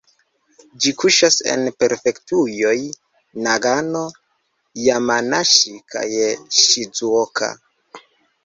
Ĝi kuŝas en prefektujoj Nagano, Jamanaŝi kaj Ŝizuoka.